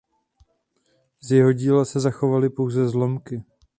Z jeho díla se zachovaly pouze zlomky.